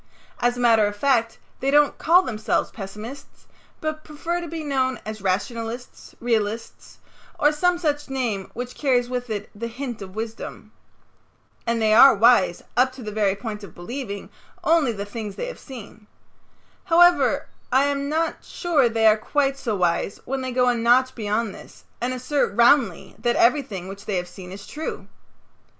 As a matter of fact, they don't call themselves pessimists, but prefer to be known as rationalists, realists, or some such name which carries with it the hint of wisdom. And they are wise up to the very point of believing only the things they have seen. However, I am not sure they are quite so wise when they go a notch beyond this and assert roundly that everything which they have seen is true.